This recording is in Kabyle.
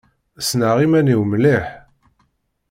Ssneɣ iman-iw mliḥ.